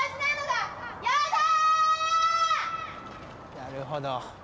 なるほど。